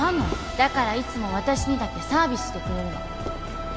だからいつも私にだけサービスしてくれるの